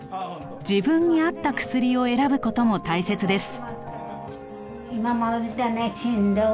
自分に合った薬を選ぶことも大切です。